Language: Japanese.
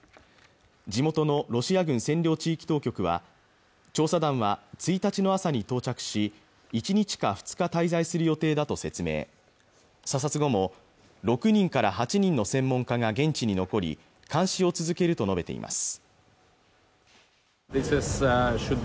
地元のロシア軍占領地域当局は調査団は１日の朝に到着し１日か２日滞在する予定だと説明査察後も６人から８人の専門家が現地に残り監視を続けると述べています